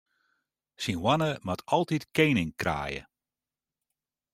Syn hoanne moat altyd kening kraaie.